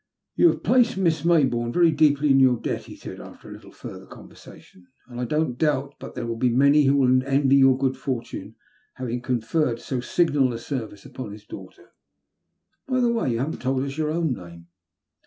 You have placed Mr. Mayboume very deeply in your debt, he said, after a little further conversation; '' and I don*t doubt but there will be many who will envy your good fortune in having conferred so signal a service upon his daughter. By the way, you have not told us your own name."